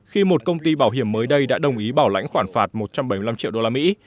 khi một công ty bảo hiểm mới đây đã đồng ý bảo lãnh khoản phạt một trăm bảy mươi năm triệu đô la mỹ